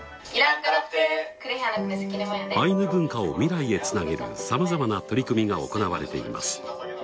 アイヌ文化を未来へつなげるさまざまな取り組みが行われています。